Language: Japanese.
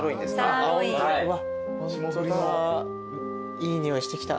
いい匂いしてきた。